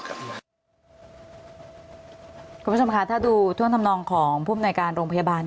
คุณผู้ชมคะถ้าดูท่วงทำนองของผู้อำนวยการโรงพยาบาล